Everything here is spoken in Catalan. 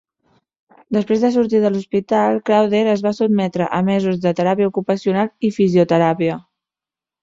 Després de sortir de l'hospital, Crowther es va sotmetre a mesos de teràpia ocupacional i fisioteràpia.